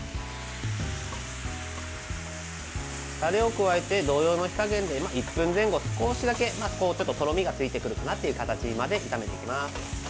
タレを加えて同様の火加減で１分前後、少しだけとろみがついてくるかなという形まで炒めていきます。